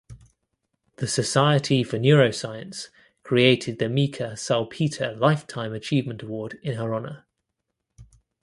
The Society for Neuroscience created the Mika Salpeter Lifetime Achievement Award in her honour.